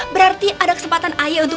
berarti ada kesempatan ayah untuk